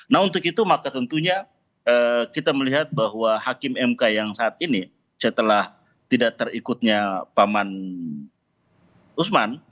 nah untuk itu maka tentunya kita melihat bahwa hakim mk yang saat ini setelah tidak terikutnya paman usman